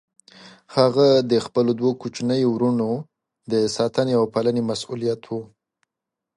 هغه د خپلو دوه کوچنيو وروڼو د ساتنې او پالنې مسئوليت و.